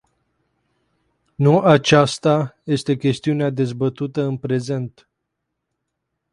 Nu acesta este chestiunea dezbătută în prezent.